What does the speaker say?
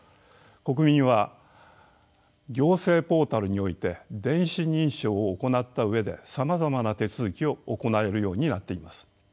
国民は行政ポータルにおいて電子認証を行った上でさまざまな手続きを行えるようになっています。